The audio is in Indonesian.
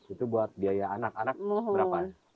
itu buat biaya anak anak berapa